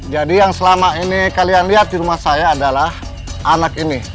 jadi yang selama ini kalian lihat di rumah saya adalah anak ini